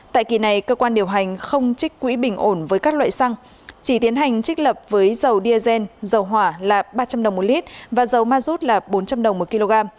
tại kỳ này cơ quan điều hành không trích quỹ bình ổn với các loại xăng chỉ tiến hành trích lập với dầu diesel dầu hỏa là ba trăm linh đồng một lít và dầu ma rút là bốn trăm linh đồng một kg